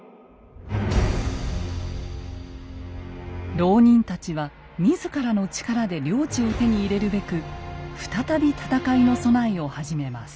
牢人たちは自らの力で領地を手に入れるべく再び戦いの備えを始めます。